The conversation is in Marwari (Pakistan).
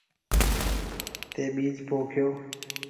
ٿَي ٻِيج پوکيو۔